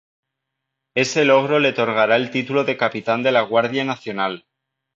Ese logro le otorgará el título de capitán de la Guardia Nacional.